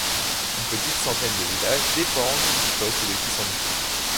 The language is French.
Une petite centaine de villages dépendent du poste de Kisantu.